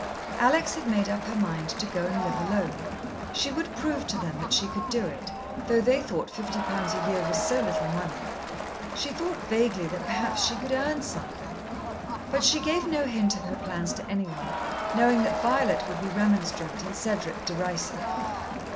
Alex had made up her mind to go and live alone. She would prove to them that she could do it, though they thought fifty pounds a year was so little money. She thought vaguely that perhaps she could earn something. But she gave no hint of her plans to any one, knowing that Violet would be remonstrant and Cedric derisive.